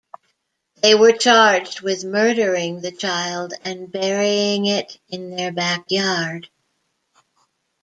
They were charged with murdering the child and burying it in their backyard.